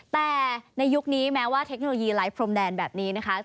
แต่ในยุคนี้แม้ว่าเทคโนโลยีไลค์พรมแดนแบบนี้นะคะ